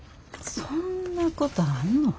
そんなことあんの？